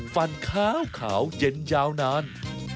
ฟันขาวเย็นยาวนาน